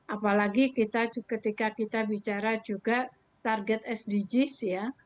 apalagi ketika kita bicara juga target sdgs ya